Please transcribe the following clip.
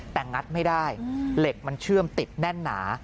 แต่งัดไม่ได้เหล็กมันเชื่อมติดแน่นหนา